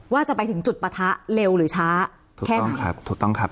ว่าจะไปถึงจุดปะทะเร็วหรือช้าแค่นั้นครับถูกต้องครับ